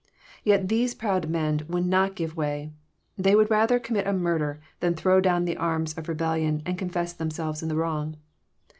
Tet these proud men would not give way. They would rather commit a murder than throw down the arms of rebellion, and confess themselves in the wrong.